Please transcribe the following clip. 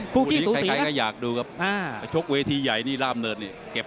คนที่เติมของไทยเพลาแพโมนุนยังไม่มีญาติและก้นห้านั่นคือ